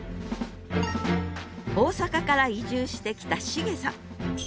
大阪から移住してきた重さん。